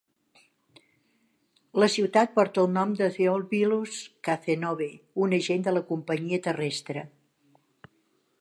La ciutat porta el nom de Theophilus Cazenove, un agent de la companyia terrestre.